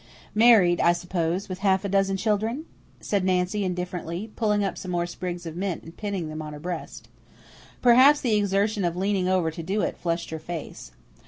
"Married, I suppose, with half a dozen children?" said Nancy indifferently, pulling up some more sprigs of mint and pinning them on her breast. Perhaps the exertion of leaning over to do it flushed her face.